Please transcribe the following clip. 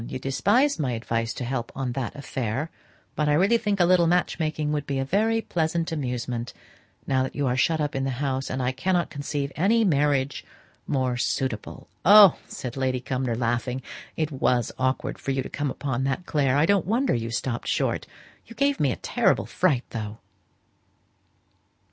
You despised my advice to help on that affair, but I really think a little match making would be a very pleasant amusement now that you are shut up in the house; and I cannot conceive any marriage more suitable.'" "Oh!" said Lady Cumnor, laughing, "it was awkward for you to come upon that, Clare: I don't wonder you stopped short. You gave me a terrible fright, though."